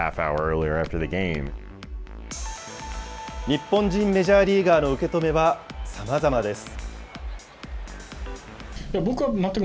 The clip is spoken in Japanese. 日本人メジャーリーガーの受け止めはさまざまです。